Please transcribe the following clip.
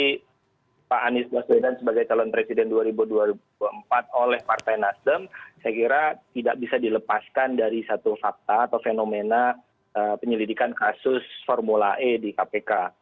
tapi pak anies baswedan sebagai calon presiden dua ribu dua puluh empat oleh partai nasdem saya kira tidak bisa dilepaskan dari satu fakta atau fenomena penyelidikan kasus formula e di kpk